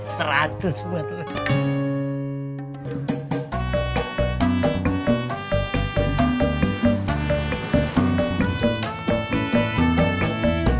seratus buat lu